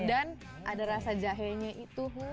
dan ada rasa jahenya itu